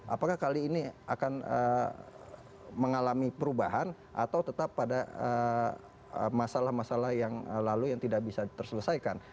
apakah kali ini akan mengalami perubahan atau tetap pada masalah masalah yang lalu yang tidak bisa terselesaikan